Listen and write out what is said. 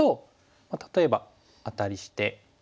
例えばアタリして。